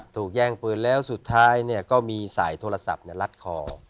ถูกแย่งปืนแล้วสุดท้ายเนี่ยก็มีสายโทรศัพท์เนี่ยลัดคอ